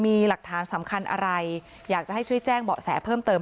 มีหลักฐานสำคัญอะไรอยากจะให้ช่วยแจ้งเบาะแสเพิ่มเติม